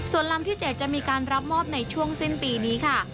ส่วนลำที่๗จะมีการรับมอบในช่วงสิ้นปีนี้ค่ะ